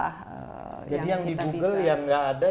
yang kita bisa jadi yang di google yang gak ada